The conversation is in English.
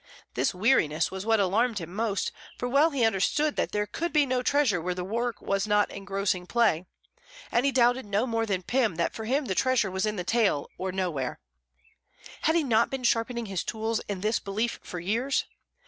This weariness was what alarmed him most, for well he understood that there could be no treasure where the work was not engrossing play, and he doubted no more than Pym that for him the treasure was in the tale or nowhere. Had he not been sharpening his tools in this belief for years?